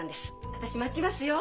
私待ちますよ。